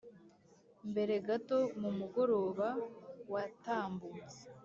mbere gato mumugoroba watambutse